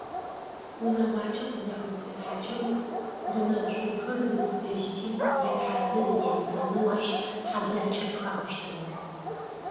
Унэгъуакӏэ къызахэтӏысхьэкӏэ, гъунэгъу шъузхэр зэусэжьти, ятхьабзэ зэтемыфэнэу ащ тхьабзакӏэ фыхахыщтыгъэ.